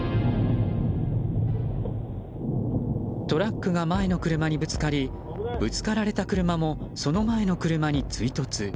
トラックが前の車にぶつかりぶつかられた車もその前の車に追突。